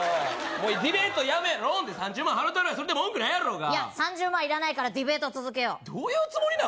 もうディベートやめローンで３０万払うたるわそれで文句ないやろうが３０万いらないからディベートを続けようどういうつもりなん？